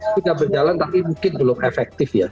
sudah berjalan tapi mungkin belum efektif ya